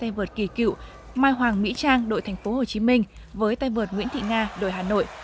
te vượt kỳ cựu mai hoàng mỹ trang đội tp hcm với te vượt nguyễn thị nga đội hà nội